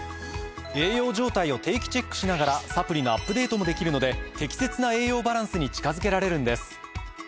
栄養状態を定期チェックしながらサプリのアップデートもできるので適切な栄養バランスに近づけられるんです。